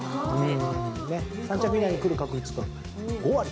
３着以内に来る確率が５割と。